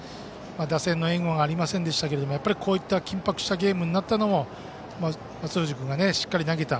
打線の援護がありませんでしたがこういった緊迫したゲームになったのも松藤君がしっかり投げた。